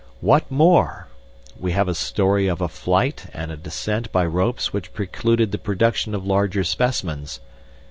} What more? We have a story of a flight and a descent by ropes which precluded the production of larger specimens.